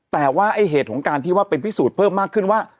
แต่ว่าไอ้เหตุของการที่ว่าเป็นพิสูจน์เพิ่มมากขึ้นว่า